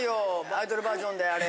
アイドルバージョンであれ。